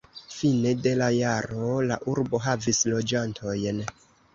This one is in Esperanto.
Fine de la jaro la urbo havis loĝantojn.